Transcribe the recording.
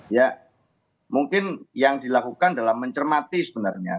ya mungkin yang dilakukan dalam mencermati sebenarnya